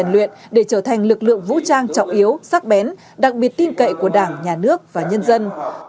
luyện để trở thành lực lượng vũ trang trọng yếu sắc bén đặc biệt tin cậy của đảng nhà nước và nhân dân